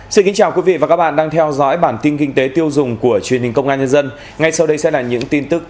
chào mừng quý vị đến với bản tin kinh tế tiêu dùng của truyền hình công an nhân dân